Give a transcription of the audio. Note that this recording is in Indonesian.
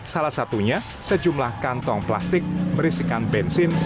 salah satunya sejumlah kantong plastik berisikan bensin